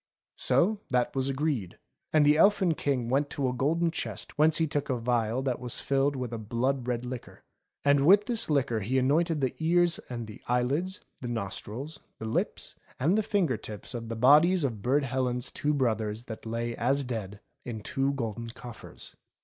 So that was agreed ; and the Elfin King went to a golden chest whence he took a phial that was filled with a blood red liquor. And with this liquor he anointed the ears and the eyelids, the nostrils, the lips, and the finger tips of the bodies of Burd Helen's two brothers that lay as dead in two golden coffers.